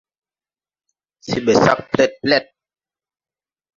Se ɓɛ sag plɛɗplɛɗ.